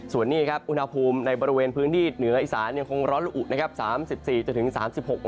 ส่วนนี้อุณหภูมิในบริเวณพื้นที่เหนืออิสานยังคงร้อนหรืออุด